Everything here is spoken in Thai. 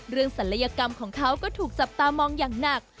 ศัลยกรรมของเขาก็ถูกจับตามองอย่างหนัก